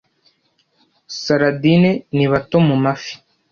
Sardine ni bato mu amafi